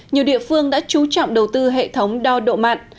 nhiều địa phương đã chú trọng đầu tư hệ thống đo độ mặn